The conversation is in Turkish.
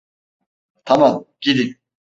Tamam, gidin.